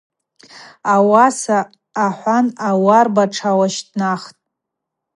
Ауаса ахӏван ауарба тшгӏащтӏнахтӏ.